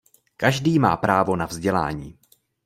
Každý má právo na vzdělání.